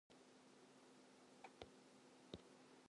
They are threatened by various factors such habitat loss.